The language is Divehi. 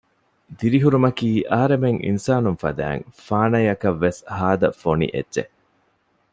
ދިރިހުރުމަކީ އަހަރެމެން އިންސާނުން ފަދައިން ފާނަޔަކަށް ވެސް ހާދަ ފޮނި އެއްޗެއް